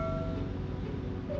ini adalah tempat yang paling menyenangkan